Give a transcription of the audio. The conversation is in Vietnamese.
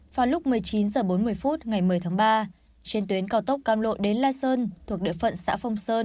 vào lúc một mươi chín h bốn mươi phút ngày một mươi tháng ba trên tuyến cao tốc cam lộ đến lai sơn thuộc địa phận xã phong sơn